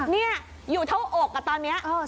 นี่อยู่เท่าอกตอนนี้